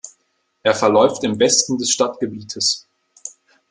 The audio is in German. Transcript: Er verläuft im Westen des Stadtgebietes.